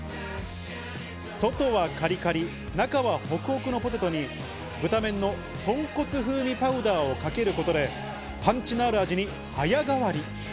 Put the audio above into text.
外はカリカリ中はホクホクのポテトに、ブタメンのとんこつ風味パウダーをかけることで、パンチのある味に早変わり。